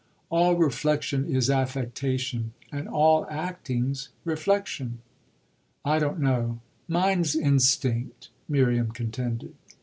All reflexion is affectation, and all acting's reflexion." "I don't know mine's instinct," Miriam contended.